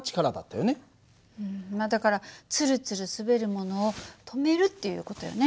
うんまあだからツルツル滑るものを止めるっていう事よね。